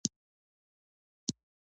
په یوه واټ کې د یوه ناروغ زګېروی یې واورېدل.